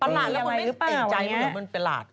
ประหลาดแล้วมันเป็นอะไรหรือเปล่า